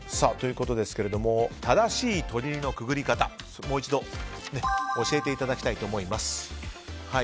正しい鳥居のくぐり方をもう一度教えていただきたいと思います。